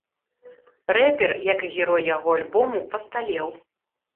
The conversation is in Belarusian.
Рэпер, як і герой яго альбому, пасталеў.